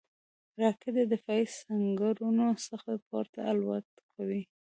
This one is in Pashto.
راکټ د دفاعي سنګرونو څخه پورته الوت کوي